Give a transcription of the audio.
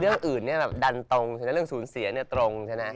เรื่องอื่นดันตรงเรื่องศูนย์เสียตรง